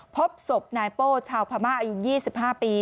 พบศพนายโป้ชาวพม่าอายุ๒๕ปี